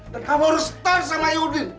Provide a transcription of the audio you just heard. dan kamu harus setahui sama iudin